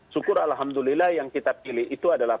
syukur alhamdulillah yang kita pilih itu adalah